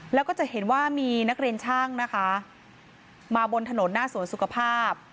แล้วก็จะเห็นว่ามีนักเรียนช่างนะคะมาบนถนนหน้าสวนสุขภาพ